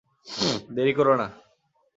দেরি করো না।